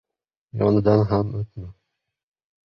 Yonidan ham o‘tma